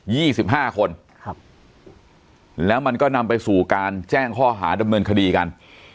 สิบห้าคนครับแล้วมันก็นำไปสู่การแจ้งข้อหาดำเนินคดีกัน